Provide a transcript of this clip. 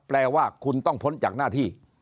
แปลว่าคุณต้องพ้นจากหน้าที่